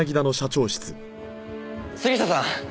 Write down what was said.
杉下さん！